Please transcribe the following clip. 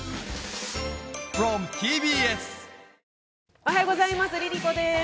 おはようございます、ＬｉＬｉＣｏです。